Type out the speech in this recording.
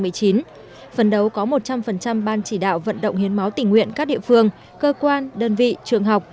phần đấu có một trăm linh ban chỉ đạo vận động hiến máu tỉnh nguyện các địa phương cơ quan đơn vị trường học